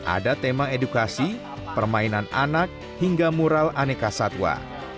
ada tema edukasi permainan anak hingga mural aneka satwa